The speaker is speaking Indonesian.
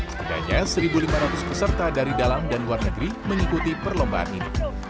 setidaknya satu lima ratus peserta dari dalam dan luar negeri mengikuti perlombaan ini